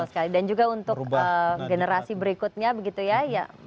betul sekali dan juga untuk generasi berikutnya begitu ya ya memotivasi